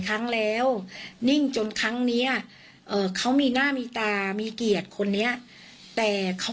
มาแล้วมานอก่อนอยู่ทุกวันงดเต็มห้องเลยค่ะ